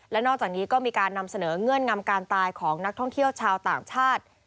และนอกจากนี้ก็มีการนำเสนอเงื่อนงำการตายของนักท่องเที่ยวชาวต่างชาติ